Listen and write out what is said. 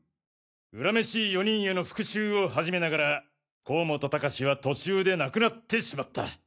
恨めしい４人への復讐を始めながら甲本高士は途中で亡くなってしまった。